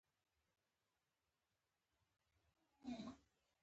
تاریخ د افغانستان د لرغوني کلتوري میراث یوه ډېره مهمه برخه ده.